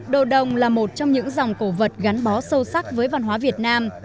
đồ đồng là một trong những dòng cổ vật gắn bó sâu sắc với văn hóa việt nam